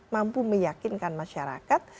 mampu meyakinkan masyarakat